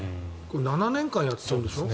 ７年間やってたんでしょ？